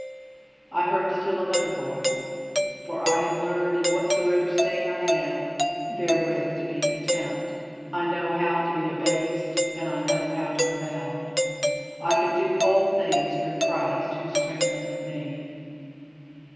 I heard still another voice: "For I have learned, in whatsoever state I am, therewith to be content. I know how to be abased and I know how to abound. ... I can do all things through Christ who strengtheneth me."